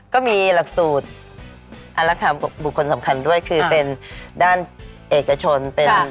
ก็มีหลักสูตรอันดับความบุคคลสำคัญด้วยคือเป็นด้านเอกชน